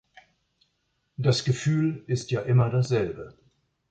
Das Gefühl ist ja immer dasselbe.